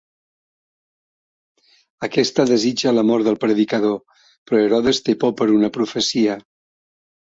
Aquesta desitja la mort del predicador, però Herodes té por per una profecia.